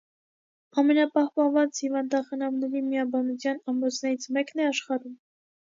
Ամենապահպանված հիվանդախնամների միաբանության ամրոցներից մեկն է աշխարհում։